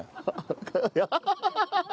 ハハハハ！